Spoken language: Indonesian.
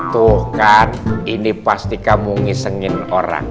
tuh kan ini pasti kamu ngisengin orang